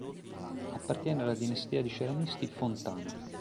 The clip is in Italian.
Appartiene alla dinastia di ceramisti Fontana.